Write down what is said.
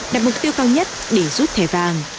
là mục tiêu cao nhất để rút thẻ vàng